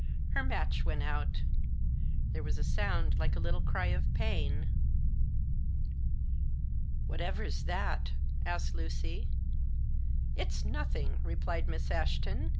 Her match went out. There was a sound like a little cry of pain. " Whatever's that ?" asked Lucy. " It's nothing," replied Miss Ashton.